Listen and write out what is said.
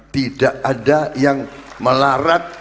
tidak ada yang melarat